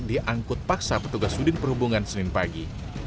diangkut paksa petugas udin perhubungan senin pagi